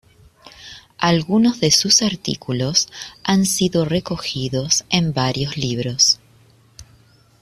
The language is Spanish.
Algunos de sus artículos han sido recogidos en varios libros.